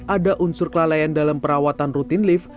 ada unsur kelalaian dalam perawatan rutin lift